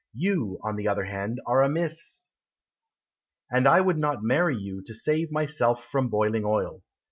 You, on the other hand, Are a Miss , And I would not marry you To save myself from boiling oil.